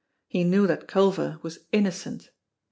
He knew that Culver was innocent.